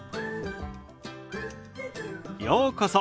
ようこそ。